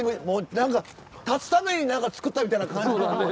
何か立つために何か作ったみたいな。